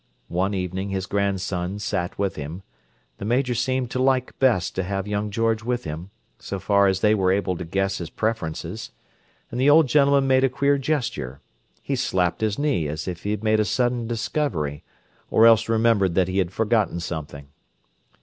One evening his grandson sat with him—the Major seemed to like best to have young George with him, so far as they were able to guess his preferences—and the old gentleman made a queer gesture: he slapped his knee as if he had made a sudden discovery, or else remembered that he had forgotten something.